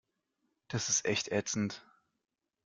Das ist echt ätzend.